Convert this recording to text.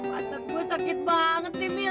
patah gue sakit banget nih mil